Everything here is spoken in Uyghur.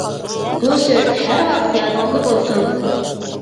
بۇ سۆز ھەر ۋاقىت يادىڭىزدا بولسۇن.